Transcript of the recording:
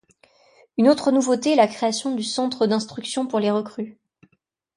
Une autre nouveauté est la création du Centre d'instruction pour les recrues.